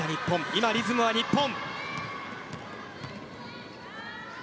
今、リズムは日本。